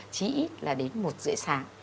chí ít là đến một dưỡng sáng